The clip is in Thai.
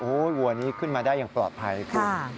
โอ้โฮวัวนี้ขึ้นมาได้อย่างปลอดภัยคุณครับค่ะ